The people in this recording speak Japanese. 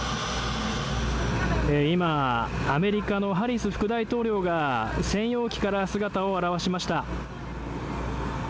今、アメリカのハリス副大統領が、専用機から姿を現しました。